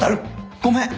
「ごめん！